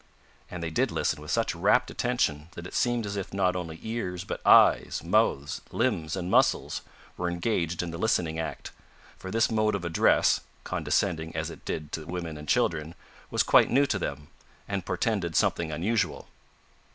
And they did listen with such rapt attention that it seemed as if not only ears, but eyes, mouths, limbs, and muscles were engaged in the listening act, for this mode of address condescending as it did to women and children was quite new to them, and portended something unusual.